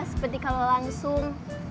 seperti kalau langsung